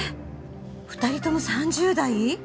２人とも３０代？